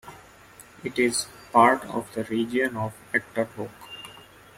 It is part of the region of Achterhoek.